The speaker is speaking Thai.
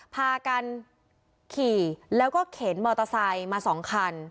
พากันขี่แล้วก็เข็นมอเตอร์ไซค์มา๒คัน